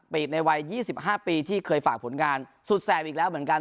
ในวัย๒๕ปีที่เคยฝากผลงานสุดแสบอีกแล้วเหมือนกัน